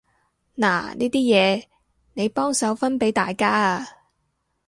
嗱呢啲嘢，你幫手分畀大家啊